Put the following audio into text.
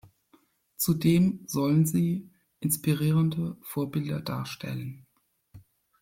Zudem sollen sie inspirierende Vorbilder darstellen.